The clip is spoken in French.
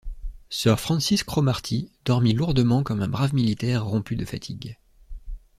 Sir Francis Cromarty dormit lourdement comme un brave militaire rompu de fatigues.